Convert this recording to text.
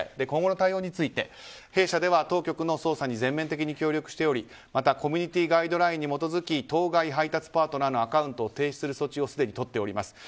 今後の対応について弊社では当局の捜査に全面的に協力しておりまたコミュニティガイドラインに基づき当該配達パートナーのアカウントを停止する措置をすでにとっております。